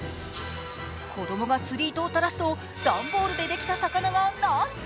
子供が釣り糸を垂らすと、段ボールでできた魚が、なんと